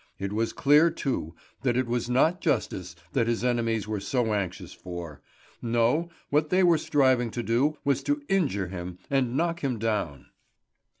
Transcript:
It was clear, too, that it was not justice that his enemies were so anxious for. No; what they were striving to do was to injure him and knock him down.